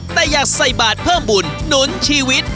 แต่อยากใส่บาทเพิ่มบุญหนุนชีวิต